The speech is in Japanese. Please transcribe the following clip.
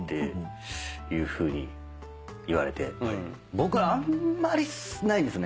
僕あんまりないんですね。